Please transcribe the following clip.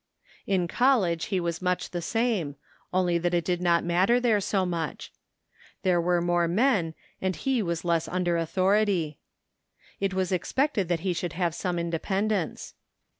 In college he was much the same, only that it did not matter there so much. There were more men and he was less under authority. It was expected that he should have some independence.